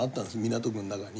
港区の中に。